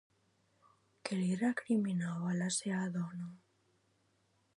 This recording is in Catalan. Què li recriminava la seva dona?